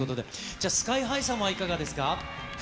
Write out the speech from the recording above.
じゃあ、ＳＫＹーＨＩさんはいかがですか？